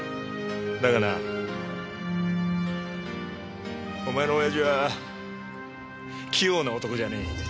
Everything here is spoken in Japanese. だがなあお前の親父は器用な男じゃねえ。